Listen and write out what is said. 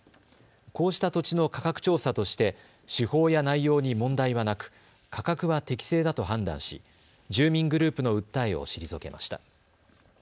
こうした土地の価格調査として手法や内容に問題はなく価格は適正だと判断し住民グループの訴えを退けました。